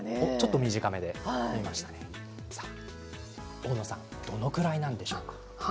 大野さんどれぐらいなんでしょうか？